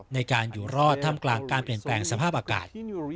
ในการอยู่รอดท่ามกลางการเปลี่ยนแปลงสภาพอากาศ